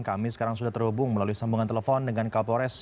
kami sekarang sudah terhubung melalui sambungan telepon dengan kapolres